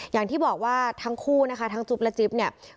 อย่างที่บอกว่าทั้งคู่นะคะทั้งจุ๊บและจิ๊บเนี่ย